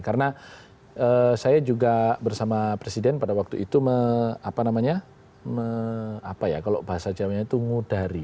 karena saya juga bersama presiden pada waktu itu apa namanya apa ya kalau bahasa jawanya itu ngudari